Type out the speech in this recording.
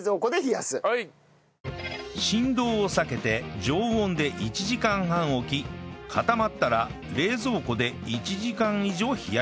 振動を避けて常温で１時間半置き固まったら冷蔵庫で１時間以上冷やします